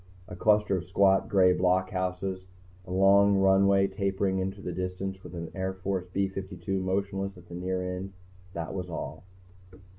A cluster of squat, gray blockhouses; a long runway tapering into the distance with an Air Force B 52 motionless at the near end; that was all.